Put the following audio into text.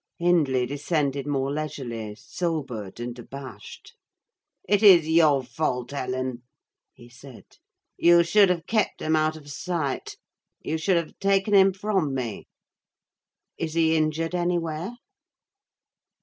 Hindley descended more leisurely, sobered and abashed. "It is your fault, Ellen," he said; "you should have kept him out of sight: you should have taken him from me! Is he injured anywhere?"